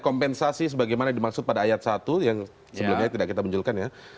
kompensasi sebagaimana dimaksud pada ayat satu yang sebelumnya tidak kita benjolkan ya